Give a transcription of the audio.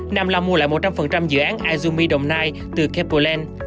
nam long mua lại một trăm linh dự án izumi đồng nai từ kepoland